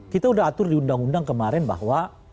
kita sudah atur di undang undang kemarin bahwa